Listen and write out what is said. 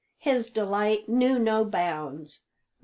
His delight knew no bounds.